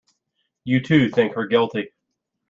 You, too, think her guilty!